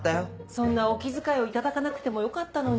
そんなお気遣いを頂かなくてもよかったのに。